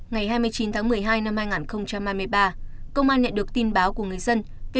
ngày hai mươi chín tháng một mươi hai năm hai nghìn hai mươi ba công an nhận được tin báo của người dân tộc hà nội